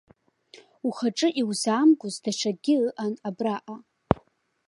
Ухаҿы иузаамгоз даҽакгьы ыҟан абраҟа.